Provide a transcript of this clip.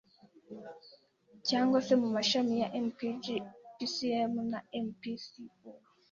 cyangwa c mu mashami ya mpg, pcm na mpco